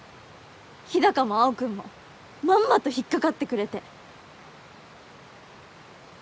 日高も青君もまんまと引っかかってくれて。